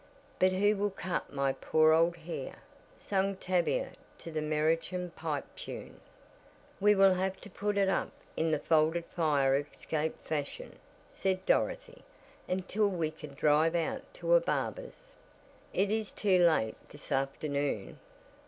"But who will cut my poor old hair?" sang Tavia to the meerschaum pipe tune. "We will have to put it up in the folded fire escape fashion," said Dorothy, "until we can drive out to a barber's. It is too late this afternoon."